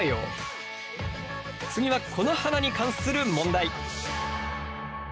次はこの花に関する問題。